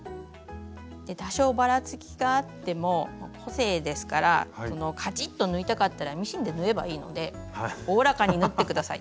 多少バラつきがあっても個性ですからカチッと縫いたかったらミシンで縫えばいいのでおおらかになって下さい。